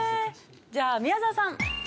じゃあ宮澤さん。